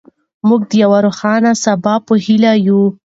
موږ د یو روښانه سبا په هیله یو.